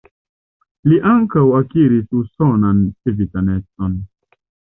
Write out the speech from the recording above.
Li ankaŭ akiris usonan civitanecon.